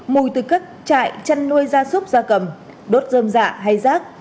mùi từ các trại chăn nuôi ra súc ra cầm đốt dơm dạ hay rác